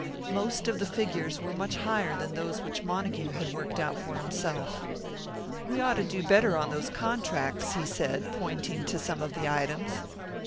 Most of the figures were much higher than those which Montague had worked out for himself. "We ought to do better on those contracts," he said, pointing to some of the items.